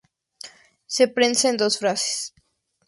Se prensa en dos fases.